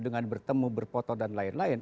dengan bertemu berfoto dan lain lain